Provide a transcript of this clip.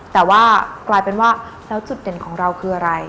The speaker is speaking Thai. แต่ว่ากลายเป็นว่าแล้วจุดเด่นของเราคืออะไร